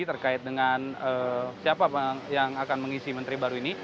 terkait dengan siapa yang akan mengisi menteri baru ini